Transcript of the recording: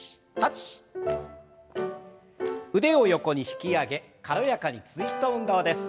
腕を横に引き上げ軽やかにツイスト運動です。